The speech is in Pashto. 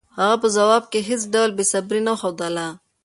هغه په ځواب کې هېڅ ډول بېصبري نه ښودله.